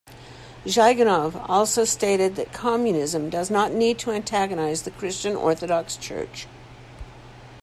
Zyuganov also stated that Communism does not need to antagonize the Christian Orthodox Church.